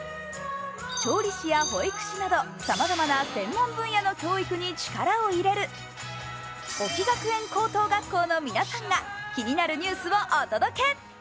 調理師や保育士などさまざまな専門分野の教育に力を入れる沖学園高等学校の皆さんが気になるニュースがお届け。